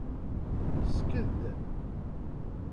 Sked.